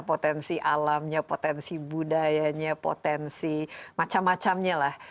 potensi alamnya potensi budayanya potensi macam macamnya lah